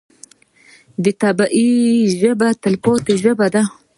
طبیعي ژبه تلپاتې ژبه ده.